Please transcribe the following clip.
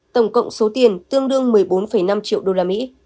tổng cộng số tiền tương đương một mươi bốn năm triệu usd